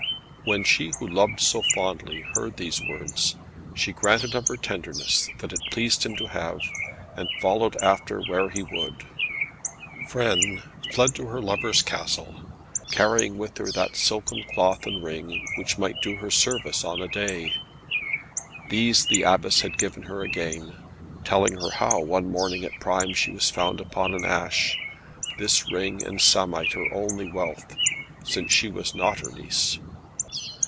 When she who loved so fondly heard these words, she granted of her tenderness what it pleased him to have, and followed after where he would. Frêne fled to her lover's castle, carrying with her that silken cloth and ring, which might do her service on a day. These the Abbess had given her again, telling her how one morning at prime she was found upon an ash, this ring and samite her only wealth, since she was not her niece.